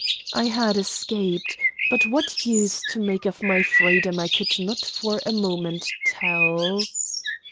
I had escaped, but what use to make of my freedom I could not for a moment tell.